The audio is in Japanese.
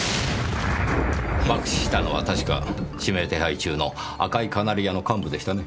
爆死したのは確か指名手配中の赤いカナリアの幹部でしたね。